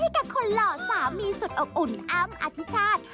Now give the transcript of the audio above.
กรี๊ดกับคนเหลาสามีสุดอุ่นอ้ามอธิชาติ